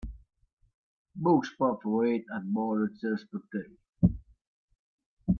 Book spot for eight at bar that serves potée